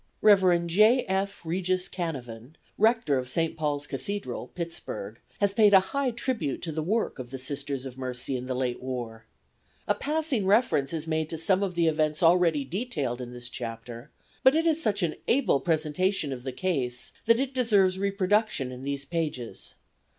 Rev. J. F. Regis Canevin, rector of St. Paul's Cathedral, Pittsburg, has paid a high tribute to the work of the Sisters of Mercy in the late war. A passing reference is made to some of the events already detailed in this chapter, but it is such an able presentation of the case that it deserves reproduction in these pages.